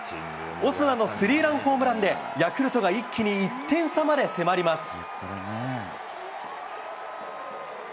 オスナのスリーランホームランで、ヤクルトが一気に１点差まで迫ります。